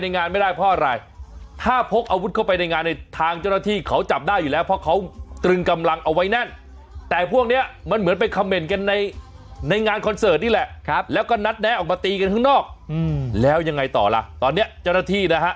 นัดแนะออกมาตีกันข้างนอกแล้วยังไงต่อล่ะตอนนี้เจ้านาธินะฮะ